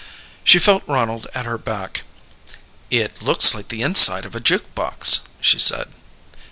She felt Ronald at her back. "It looks like the inside of a juke box," she said.